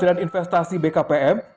perusahaan investasi bkpm